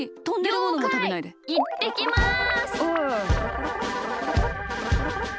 いってきます！